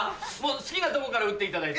好きな所から打っていただいて。